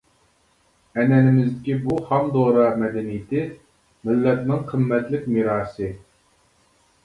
ئەنئەنىمىزدىكى بۇ خام دورا مەدەنىيىتى مىللەتنىڭ قىممەتلىك مىراسى.